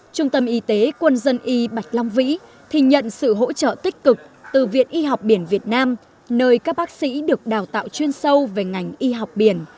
trung tâm y tế quân dân y bạch long vĩ thì nhận sự hỗ trợ tích cực từ viện y học biển việt nam nơi các bác sĩ được đào tạo chuyên sâu về ngành y học biển